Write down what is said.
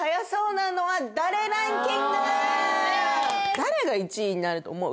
誰が１位になると思う？